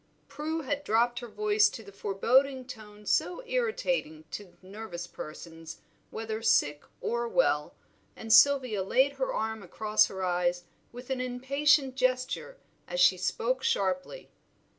Prue had dropped her voice to the foreboding tone so irritating to nervous persons whether sick or well, and Sylvia laid her arm across her eyes with an impatient gesture as she spoke sharply.